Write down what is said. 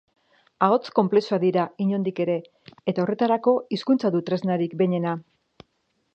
Ahots konplexuak dira, inondik ere, eta, horretarako, hizkuntza du tresnarik behinena